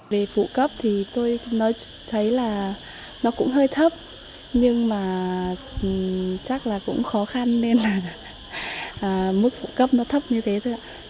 về phụ cấp thì tôi thấy là nó cũng hơi thấp nhưng mà chắc là cũng khó khăn nên là mức phụ cấp nó thấp như thế thôi ạ